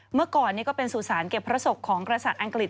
เมื่อก่อนก็เป็นสุสานเก็บพระศพของกษัตว์อังกฤษ